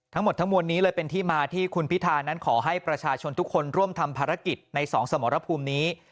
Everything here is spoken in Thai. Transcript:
ทั้งหมดทั้งมวลนี้เลยเป็นที่มาที่คุณพิธานั้นขอให้ประชาชนทุกคนร่วมทำภารกิจในสองสมรภูมินี้